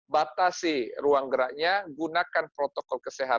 batasi ruang geraknya gunakan protokol kesehatan